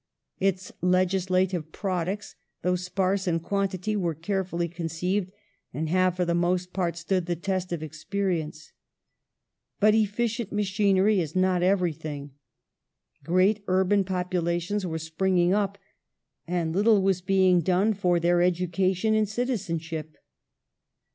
Its legislative products, though spai*se in quantity, were carefully conceived, and have, for the most part, stood the test of experience. But efficient machinery is not everything. Great urban populations were springing up, and little was being done for their education in citizenship.